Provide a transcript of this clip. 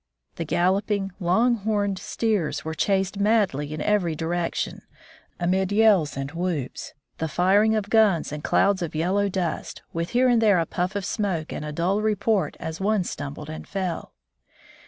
The galloping, long homed steers were chased madly in every direction, amid yells and whoops, the firing of guns and clouds of yellow dust, with here and there a puff of smoke and a dull report as one stumbled and fell.